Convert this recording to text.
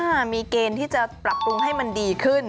ถ้ามีเกณฑ์ที่จะปรับปรุงให้มันดีขึ้น